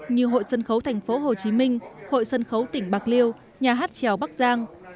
như hội sân khấu thành phố hồ chí minh hội sân khấu tỉnh bạc liêu nhà hát trèo bắc giang